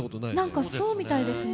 何かそうみたいですね。